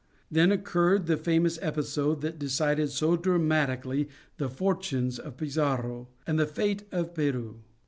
Then occurred the famous episode that decided so dramatically the fortunes of Pizarro and the fate of Peru.